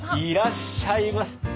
いらっしゃいませ。